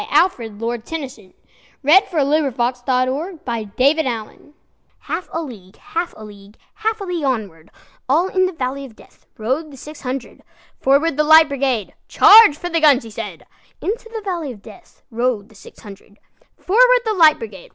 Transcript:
Alfred Tennyson, 1st Baron 1809–92 The Charge of the Light Brigade Tennyson HALF a league, half a league, Half a league onward, All in the valley of DeathRode the six hundred."Forward, the Light Brigade! Charge for the guns!" he said:Into the valley of DeathRode the six hundred."Forward, the Light Brigade!"